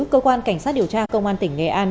cơ quan cảnh sát điều tra công an tỉnh nghệ an